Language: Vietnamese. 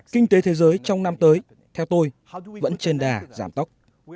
kinh tế thế giới trong năm tới theo tôi vẫn trên đà giảm tốc